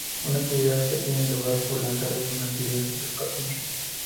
Una actividad que tiene lugar por la tarde es una actividad vespertina.